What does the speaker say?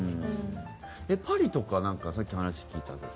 パリとかはさっき話聞いたけど。